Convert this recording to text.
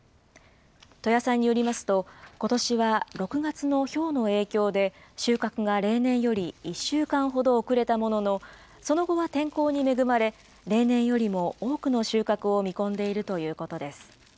戸屋さんによりますと、ことしは６月のひょうの影響で、収穫が例年より１週間ほど遅れたものの、その後は天候に恵まれ、例年よりも多くの収穫を見込んでいるということです。